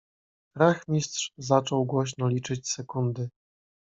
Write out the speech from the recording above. "Rachmistrz zaczął głośno liczyć sekundy."